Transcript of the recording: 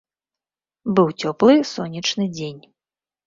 Быў цёплы сонечны дзень.